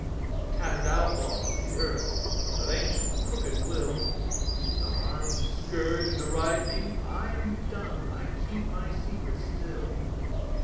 The tattered outlaw of the earth, Of ancient crooked will; Starve, scourge, deride me: I am dumb, I keep my secret still.